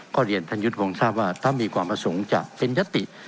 ก็เรียนท่านยุทธ์วงทราบว่าถ้ามีความประสงค์จะเป็นยติ